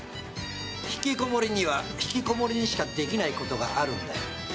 ひきこもりにはひきこもりにしかできないことがあるんだよ。